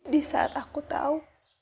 disaat aku tau